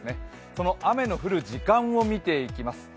その雨の降る時間を見ていきます。